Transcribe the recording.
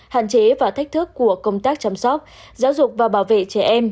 hạn chế và thách thức của công tác chăm sóc giáo dục và bảo vệ trẻ em